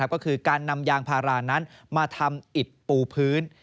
ก็คือการนำยางพารานั้นมาทำอิดปูพื้น